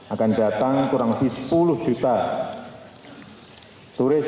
akan datang kurang lebih sepuluh juta turis